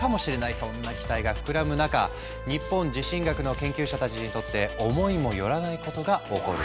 そんな期待が膨らむ中日本地震学の研究者たちにとって思いもよらないことが起こる。